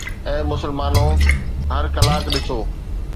اي مسلمانو! هر ڪلاڪ ڏسو